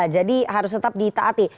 jadi harus tetap ditaati